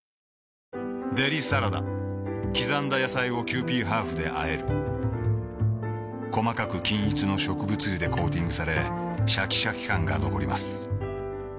デリサラダ刻んだ野菜をキユーピーハーフであえる細かく均一の植物油でコーティングされシャキシャキ感が残ります